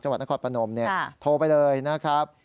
วัดนครพนมโทรไปเลยนะครับ